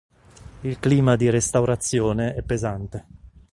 Il clima di restaurazione è pesante.